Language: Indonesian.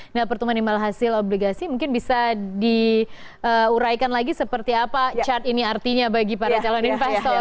nah pertumbuhan imbal hasil obligasi mungkin bisa diuraikan lagi seperti apa chart ini artinya bagi para calon investor